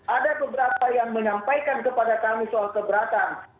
ada beberapa yang menyampaikan kepada kami soal keberatan